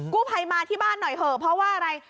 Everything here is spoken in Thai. กู้ภัยมาที่บ้านหน่อยเถอะเพราะว่าอะไร